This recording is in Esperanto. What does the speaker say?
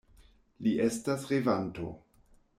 Li estas revanto!